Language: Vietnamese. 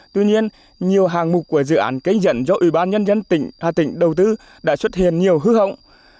tuy nhiên nhiều hàng mục của dự án canh dẫn do ủy ban nhân dân tỉnh hà tĩnh đầu tư đã xuất hiện nhiều hư hỏng